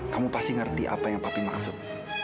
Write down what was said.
kamu pasti ngerti apa yang papi maksud